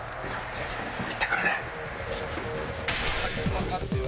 行ってくるね。